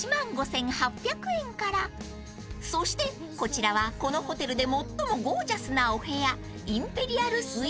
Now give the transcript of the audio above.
［そしてこちらはこのホテルで最もゴージャスなお部屋］